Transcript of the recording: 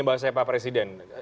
bahasa apa presiden